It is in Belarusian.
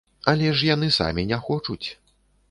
Але ж яны самі не хочуць.